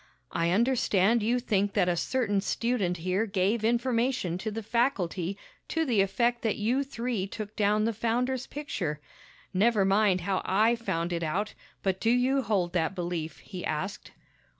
"I understand you think that a certain student here gave information to the faculty to the effect that you three took down the founder's picture. Never mind how I found it out, but do you hold that belief?" he asked.